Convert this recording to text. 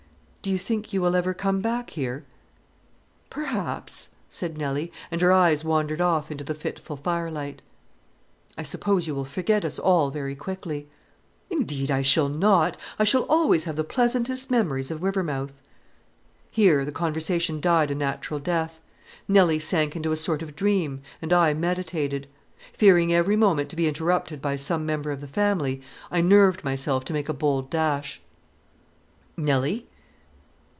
"Do you think you will ever come back here?" "Perhaps," said Nelly, and her eyes wandered off into the fitful firelight. "I suppose you will forget us all very quickly." "Indeed I shall not. I shall always have the pleasantest memories of Rivermouth." Here the conversation died a natural death. Nelly sank into a sort of dream, and I meditated. Fearing every moment to be interrupted by some member of the family, I nerved myself to make a bold dash. "Nelly."